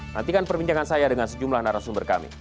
nantikan perbincangan saya dengan sejumlah narasumber kami